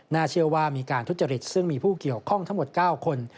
เชื่อว่ามีการทุจริตซึ่งมีผู้เกี่ยวข้องทั้งหมด๙คน